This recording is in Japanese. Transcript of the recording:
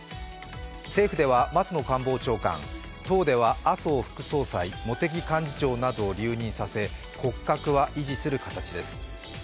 政府では松野官房長官、党では麻生副総裁、茂木幹事長などを留任させ、骨格は維持する形です。